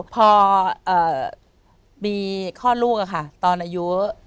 พอมีข้อลูกอะค่ะตอนอายุ๑๗๑๘